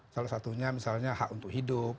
salah satunya misalnya hak untuk hidup